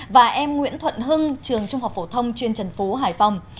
và em nguyễn thuận hưng trường trung học phổ thông chuyên trần phú hải phòng